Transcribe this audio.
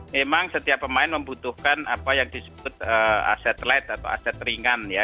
memang setiap pemain membutuhkan apa yang disebut aset light atau aset ringan ya